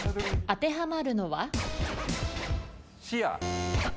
当てはまるのは？